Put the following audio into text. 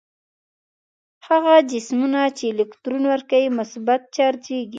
هغه جسمونه چې الکترون ورکوي مثبت چارجیږي.